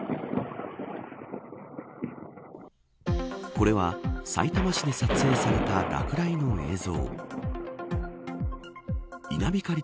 これはさいたま市で撮影された落雷の映像。